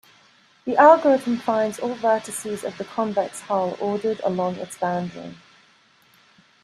The algorithm finds all vertices of the convex hull ordered along its boundary.